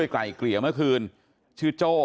ไกลเกลี่ยเมื่อคืนชื่อโจ้